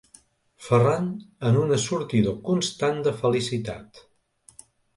Ferran en un assortidor constant de felicitat.